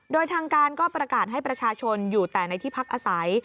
โดยทางการก็ประกาศให้ประชาชนอยู่แต่ในที่พักอาศัย